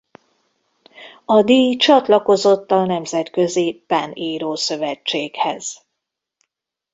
A díj csatlakozott a nemzetközi Pen írószövetséghez.